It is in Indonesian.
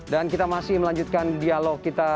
dan kita masih melanjutkan dialog kita